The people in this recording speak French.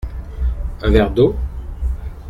Un verre d’eau ?